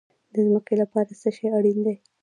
د ځمکې لپاره څه شی اړین دي؟